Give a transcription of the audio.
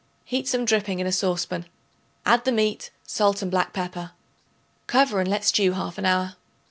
Heat some dripping in a saucepan; add the meat, salt and black pepper; cover and let stew half an hour.